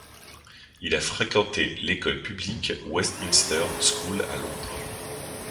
Il a fréquenté l'école publique Westminster School à Londres.